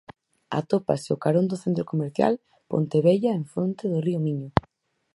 Atópase ao carón do centro comercial Pontevella e en fronte ao río Miño.